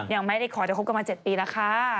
ยังไม่ได้ขอจะคบกันมา๗ปีแล้วค่ะ